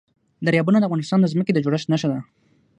دریابونه د افغانستان د ځمکې د جوړښت نښه ده.